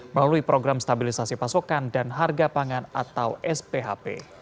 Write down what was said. melalui program stabilisasi pasokan dan harga pangan atau sphp